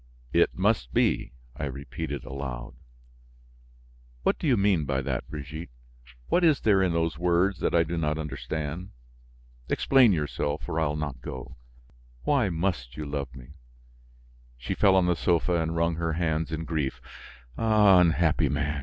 "It must be!" I repeated aloud. "What do you mean by that, Brigitte? What is there in those words that I do not understand? Explain yourself, or I will not go. Why must you love me?" She fell on the sofa and wrung her hands in grief. "Ah! Unhappy man!"